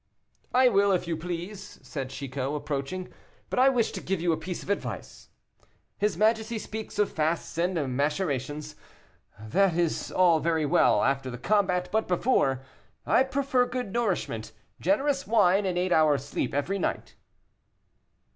"I will, if you please," said Chicot, approaching, "but I wish to give you a piece of advice. His majesty speaks of fasts and macerations. That is all very well after the combat, but before, I prefer good nourishment, generous wine, and eight hours' sleep every night."